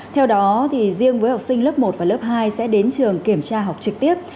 theo đó riêng với học sinh lớp một và lớp hai sẽ đến trường kiểm tra học trực tiếp